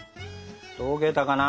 溶けたかな？